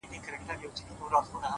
د زړگي هيله چي ستۍ له پېغلتوبه وځي _